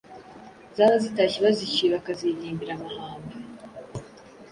Zaba zitashye bazicyuye bakaziririmbira “amahamba,